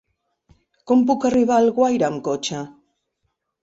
Com puc arribar a Alguaire amb cotxe?